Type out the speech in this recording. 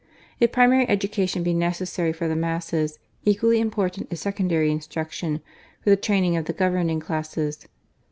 If primary education be necessary for the masses, equally important is secondary instruction for the training of the governing classes.